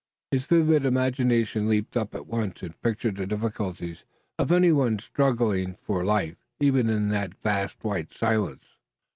His vivid imagination leaped up at once and pictured the difficulties of any one struggling for life, even in that vast white silence.